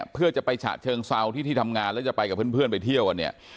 เพื่อจะไปฉะเชิงเซาที่ที่ทำงานแล้วจะไปกับเพื่อนไปเที่ยวกันเนี่ย